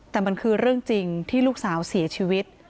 แต่มันคือเรื่องจริงที่ลูกสาวเสียชีวิต